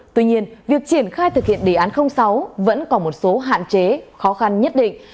tuy nhiên việc triển khai thực hiện đề án sáu vẫn còn một số hạn chế khó khăn nhất định